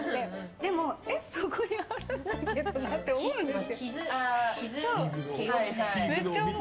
でも、そこにあるんだけどなって思うんです。